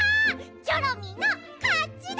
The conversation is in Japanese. チョロミーのかちだ！